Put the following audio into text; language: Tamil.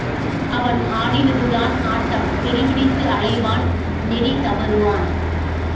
அவன் ஆடினதுதான் ஆட்டம் வெறிபிடித்து அலைவான் நெறி தவறுவான்.